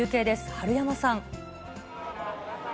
治山さん。